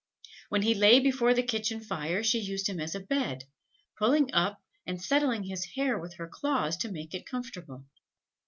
When he lay before the kitchen fire, she used him as a bed, pulling up and settling his hair with her claws to make it comfortable.